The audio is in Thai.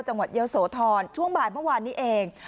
เยอะโสธรช่วงบ่ายเมื่อวานนี้เอง